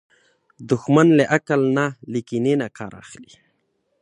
دښمن له عقل نه، له کینې نه کار اخلي